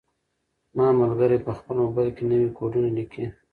زما ملګری په خپل موبایل کې نوي کوډونه لیکي.